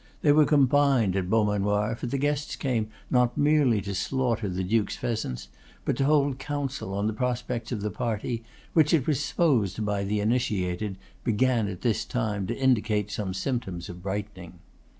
They were combined at Beaumanoir; for the guests came not merely to slaughter the Duke's pheasants, but to hold council on the prospects of the party, which it was supposed by the initiated, began at this time to indicate some symptoms of brightening.